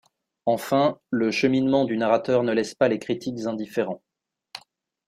Enfin, le cheminement du narrateur ne laisse pas les critiques indifférents.